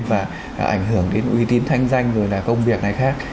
và ảnh hưởng đến uy tín thanh danh rồi là công việc này khác